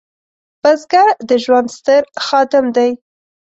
بزګر د ژوند ستر خادم دی